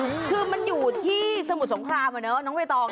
อื้อคือมันอยู่ที่สมุทรสงครามเหรอเนอะน้องเวตอง